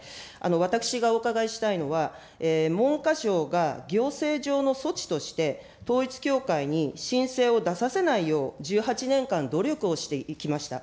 私がお伺いしたいのは、文科省が行政上の措置として、統一教会に申請を出させないよう、１８年間努力をしてきました。